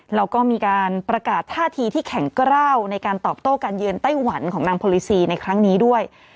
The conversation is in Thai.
แล้วก็มีการประกาศท่าทีที่แข็งกล้าวในการตอบโต้การเยือนไต้หวันของนางโพลิซีในครั้งนี้ด้วย